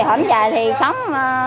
hổng dài thì sống